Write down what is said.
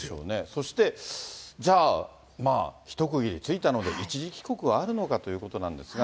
そして、じゃあ、一区切りついたので、一時帰国はあるのかということなんですが。